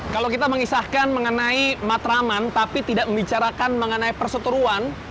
kalau kita mengisahkan mengenai matraman tapi tidak membicarakan mengenai perseturuan